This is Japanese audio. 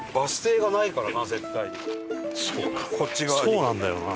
そうなんだよな。